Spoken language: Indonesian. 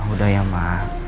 udah ya ma